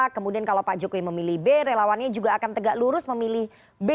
kemudian kalau pak jokowi memilih b relawannya juga akan tegak lurus memilih b